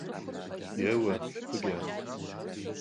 Еуэ, фӏыкӏэ!